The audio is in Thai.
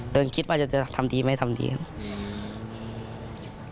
คิดว่าจะทำดีไม่ทำดีครับ